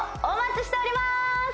お待ちしております